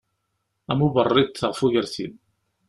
Am uberriḍ ɣef ugertil.